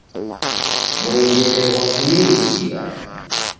Mwengere ghwafumirikia.